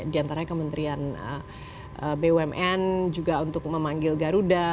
di antara kementerian bumn juga untuk memanggil garuda